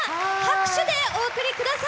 拍手でお送りください。